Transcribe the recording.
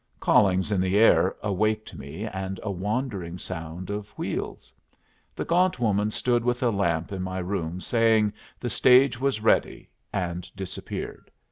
Callings in the air awaked me, and a wandering sound of wheels. The gaunt woman stood with a lamp in my room saying the stage was ready, and disappeared.